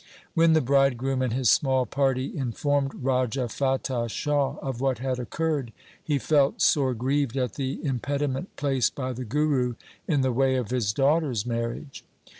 When the bridegroom and his small party in formed Raja Fatah Shah of what had occurred, he felt sore grieved at the impediment placed by the Guru in the way of his daughter's marriage.